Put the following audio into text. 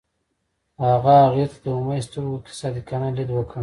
هغه هغې ته د امید سترګو کې صادقانه لید وکړ.